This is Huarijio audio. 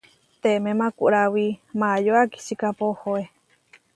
Teemé makuráwi Maayó akičíkapo ohoé.